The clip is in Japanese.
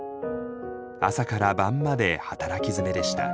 朝から晩まで働きづめでした。